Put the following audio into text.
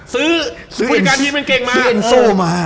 ซื้อพุทธการทีมเป็นเก่งมา